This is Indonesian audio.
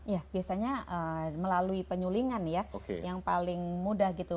ya biasanya melalui penyulingan ya yang paling mudah gitu